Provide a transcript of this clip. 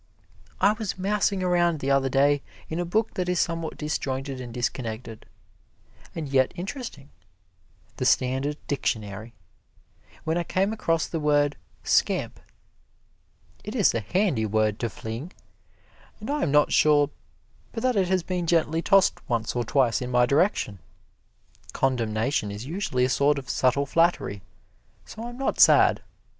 I was mousing around the other day in a book that is somewhat disjointed and disconnected, and yet interesting "The Standard Dictionary" when I came across the word "scamp." It is a handy word to fling, and I am not sure but that it has been gently tossed once or twice in my direction. Condemnation is usually a sort of subtle flattery, so I'm not sad.